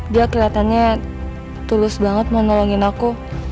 dia kelihatannya tulus banget mau nolongin aku